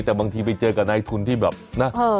แต่บางทีไปเจอกับนายทุนที่แบบนะ